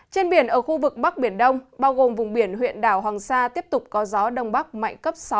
trên biển ở khu vực bắc biển đông bao gồm vùng biển huyện đảo hoàng sa tiếp tục có gió đông bắc mạnh cấp sáu